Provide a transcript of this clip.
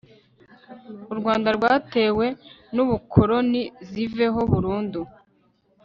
u rwanda rwatewe n'ubukoloni ziveho burundu